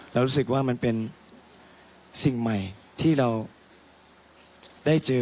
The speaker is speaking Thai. เรารู้สึกว่ามันเป็นสิ่งใหม่ที่เราได้เจอ